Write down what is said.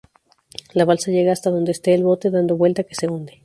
La balsa llega hasta donde está el bote dado vuelta, que se hunde.